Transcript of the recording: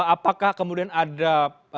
apakah kemudian ada